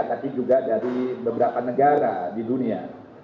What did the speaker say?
tapi juga dari beberapa negara di dunia